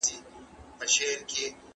آیا ته غواړې پوهان سې؟